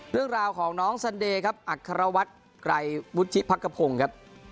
เรื่องราวของน้องสันเดอคารวัตไกรวุฒิพักกระพงครับ